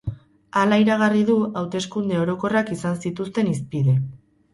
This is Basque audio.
Hala iragarri du hauteskunde orokorrak izan zituzten hizpide.